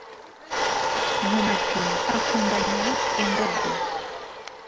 nkomati akumbanya ingogo.